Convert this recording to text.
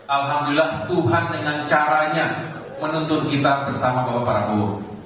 alhamdulillah tuhan dengan caranya menuntut kita bersama bapak prabowo